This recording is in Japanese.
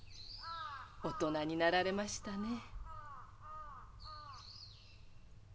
大人になられましたね。